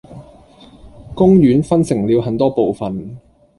公園分成了很多部分